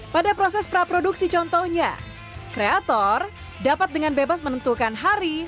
pada proses praproduksi contohnya kreator dapat dengan bebas menentukan hari